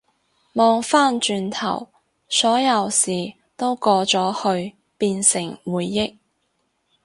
望返轉頭，所有事都過咗去變成回憶